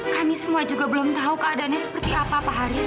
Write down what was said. kami semua juga belum tahu keadaannya seperti apa pak haris